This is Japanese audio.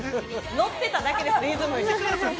ノってただけです。